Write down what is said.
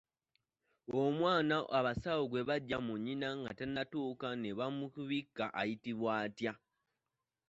Omwana abasawo gwe baggya mu nnyina nga tannatuuka ne bamubikka ayitibwa atya?